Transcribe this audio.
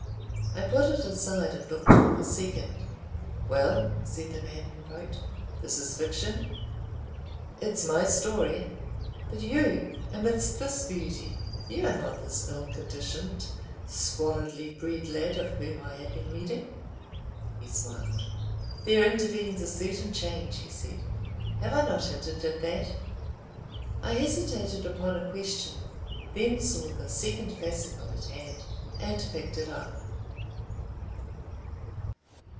I put it aside and looked for the second. "Well?" said the man who wrote. "This is fiction?" "It's my story." "But you— Amidst this beauty— You are not this ill conditioned, squalidly bred lad of whom I have been reading?" He smiled. "There intervenes a certain Change," he said. "Have I not hinted at that?" I hesitated upon a question, then saw the second fascicle at hand, and picked it up.)